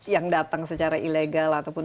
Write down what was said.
yang datang secara ilegal ataupun